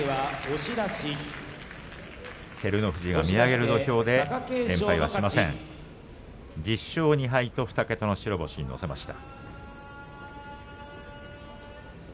照ノ富士が見上げる土俵で２桁の白星に乗せました。